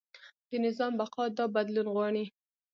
د نظام بقا دا بدلون غواړي.